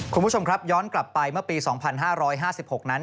คุณผู้ชมครับย้อนกลับไปเมื่อปีสองพันห้าร้อยห้าสิบหกนั้น